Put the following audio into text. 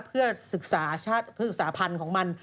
เพื่อศึกษาพันธุ์ของมัน